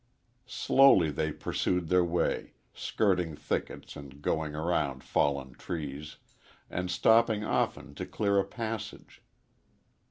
Slowly they pursued their way, skirting thickets and going around fallen trees, and stopping often to clear a passage.